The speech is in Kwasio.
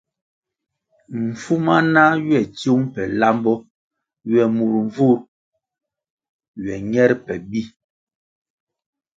Mfuma na ywe tsiung pe lambo ywe mur mvur ywe ñer pe bi.